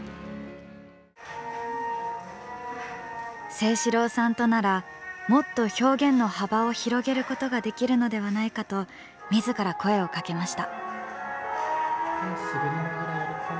Ｓｅｉｓｈｉｒｏさんとならもっと表現の幅を広げることができるのではないかとみずから声をかけました。